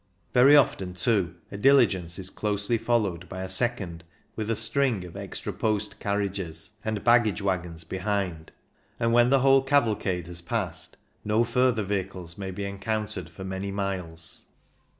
Very often, too, a diligence is closely followed by a second, with a string of " extra post" carriages and baggage wagons behind; and when the whole cavalcade has passed, no further vehicles may be encountered for many miles.